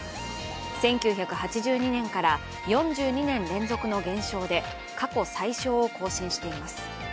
１９８２年から４２年連続の減少で過去最少を更新しています。